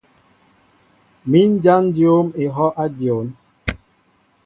Mi n jan jǒm ehɔʼ a dyɔn.